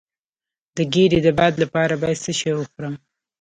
د ګیډې د باد لپاره باید څه شی وخورم؟